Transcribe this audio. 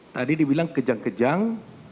tadi dibilang kejang kejang